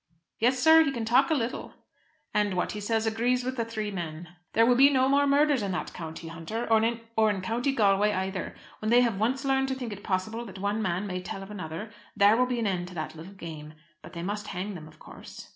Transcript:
"Yes, sir; he can talk a little." "And what he says agrees with the three men? There will be no more murders in that county, Hunter, or in County Galway either. When they have once learned to think it possible that one man may tell of another, there will be an end to that little game. But they must hang them of course."